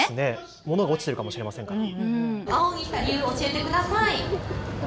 物が落ちているかもしれませんから。